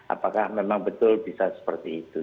apakah memang betul bisa seperti itu